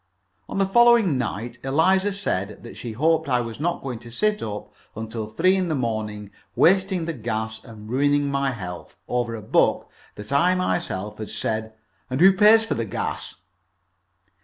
On the following night Eliza said that she hoped I was not going to sit up until three in the morning, wasting the gas and ruining my health, over a book that I myself had said "And who pays for the gas?"